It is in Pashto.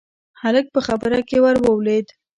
هلک په خبره کې ور ولوېد: